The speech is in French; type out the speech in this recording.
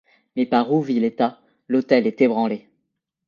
Mais par où vit l’état, l’autel est ébranlé !